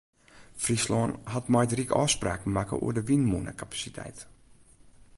Fryslân hat mei it ryk ôfspraken makke oer de wynmûnekapasiteit.